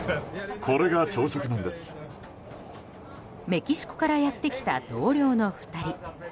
メキシコからやってきた同僚の２人。